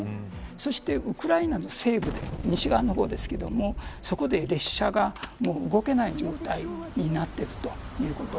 そしてウクライナの西部で西側の方ですけどそこで列車が動けない状態になっているということ。